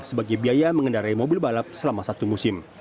sebagai biaya mengendarai mobil balap selama satu musim